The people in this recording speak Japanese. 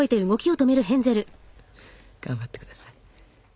頑張ってください。